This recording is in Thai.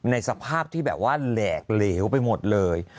ในสภาพที่แบบว่าแหลกเหลวไปหมดเลย